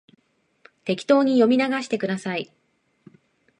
適当に読み流してください